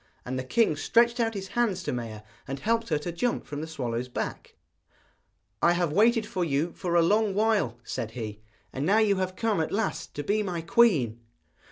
And the king stretched out his hands to Maia, and helped her to jump from the swallow's back. 'I have waited for you for a long while,' said he, 'and now you have come at last to be my queen.'